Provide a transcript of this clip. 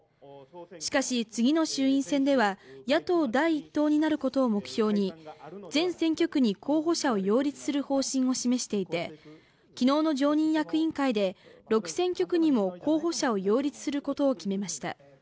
しかし次の衆院選では野党第一党になることを目標に全選挙区に候補者を擁立する方針を示していて昨日の常任役員会で６選挙区にも候補者を擁立することを決めました。